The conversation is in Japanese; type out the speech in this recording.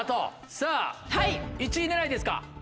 さぁ１位狙いですか？